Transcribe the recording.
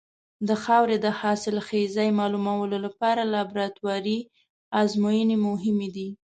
د خاورې د حاصلخېزۍ معلومولو لپاره لابراتواري ازموینې مهمې دي.